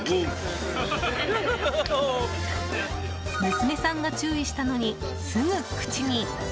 娘さんが注意したのにすぐ口に。